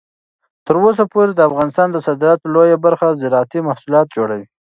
تر اوسه پورې د افغانستان د صادراتو لویه برخه زراعتي محصولات جوړوي.